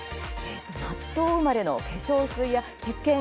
納豆生まれの化粧水やせっけん